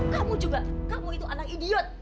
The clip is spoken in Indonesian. kamu juga kamu itu anak idiot